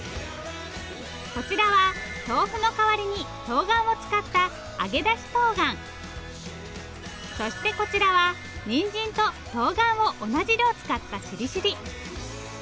こちらは豆腐の代わりにとうがんを使ったそしてこちらはにんじんととうがんを同じ量使ったしりしり。